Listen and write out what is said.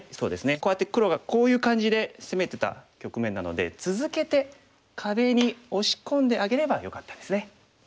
こうやって黒がこういう感じで攻めてた局面なので続けて壁に押し込んであげればよかったですね。